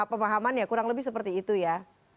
pemahaman ya kurang lebih seperti itu ya